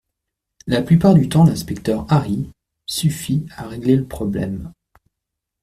la plupart du temps l’inspecteur Harry suffit à régler le problème.